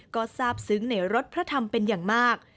ก็ทราบซึ้งในรถพระธรรมเป็นอย่างมาก